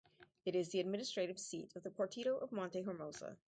It is the administrative seat of the partido of Monte Hermoso.